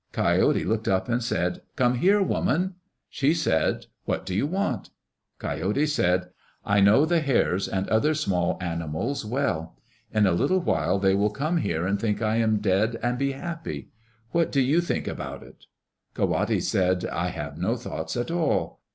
Coyote looked up and said, "Come here, woman." She said, "What do you want?" Coyote said, "I know the Hares and other small animals well. In a little while they will come here and think I am dead and be happy. What do you think about it?" Ka wate said, "I have no thoughts at all."